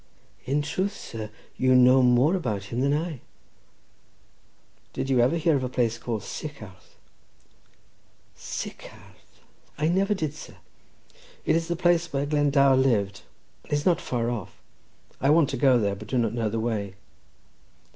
"In truth, sir, you know more about him than I." "Did you ever hear of a place called Sycharth?" "Sycharth! Sycharth! I never did, sir." "It is the place where Glendower lived, and it is not far off. I want to go there, but do not know the way."